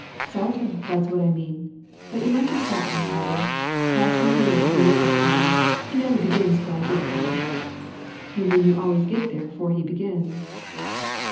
"Sartin; that's what I mean. But you mustn't stop me, Hiram. Parson Buell 'll be lookin' for me. He never begins till I git there." "You mean you always git there 'fore he begins."